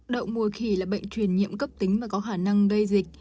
động mùa khỉ là bệnh truyền nhiễm cấp tính mà có khả năng đầy dịch